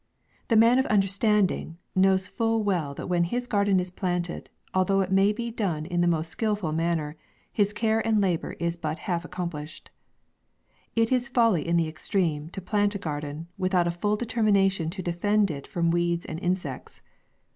" The man of understanding" knows full well, that when his garden is planted, although it may be done in the most skilful manner, his care and labour is but half accomplished. It is folly in the extreme, to plant a garden, without a full determination to defend it from weeds and insects.